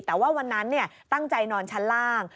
แต่ว่าวันนั้นตั้งใจนอนชั้นล่าง